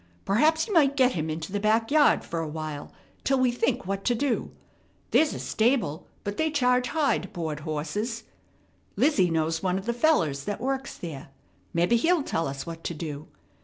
Perhaps you might get him into the back yard fer a while till we think what to do. There's a stable, but they charge high to board horses. Lizzie knows one of the fellers that works there. Mebbe he'll tell us what to do.